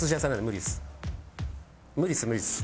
無理です無理です。